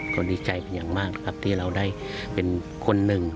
ก็ดีใจเป็นอย่างมากนะครับที่เราได้เป็นคนหนึ่ง